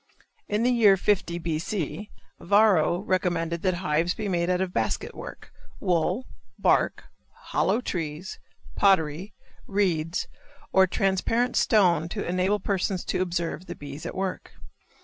In the year 50 B. C., Varro recommended that hives be made out of basket work, wool, bark, hollow trees, pottery, reeds, or transparent stone to enable persons to observe the bees at work.